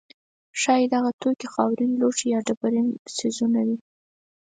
ښایي دغه توکي خاورین لوښي یا ډبرین څیزونه وي.